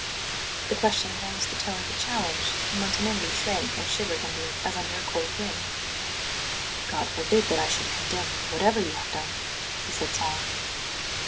The question had almost the tone of a challenge, and Montanelli shrank and shivered under it as under a cold wind. "God forbid that I should condemn you, whatever you have done!" he said solemnly.